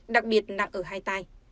đặc biệt nặng ở hai tay